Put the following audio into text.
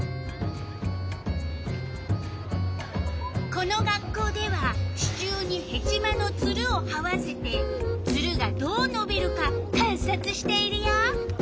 この学校では支柱にヘチマのツルをはわせてツルがどうのびるか観察しているよ。